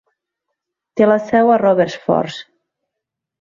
Té la seu a Robertsfors.